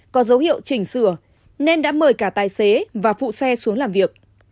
có dấu hiệu chỉnh sửa nên đã mời cả tài xế và phụ xe xuống làm việc